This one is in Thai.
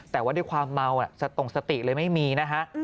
แต่ว่าด้วยความเมาสตรงสติเลยไม่มีนะฮะ